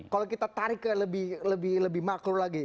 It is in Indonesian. kalau kita tarik ke lebih makro lagi